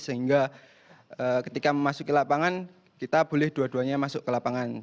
sehingga ketika memasuki lapangan kita boleh dua duanya masuk ke lapangan